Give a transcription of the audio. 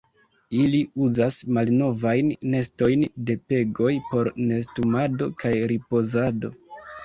Ili uzas malnovajn nestojn de pegoj por nestumado kaj ripozado.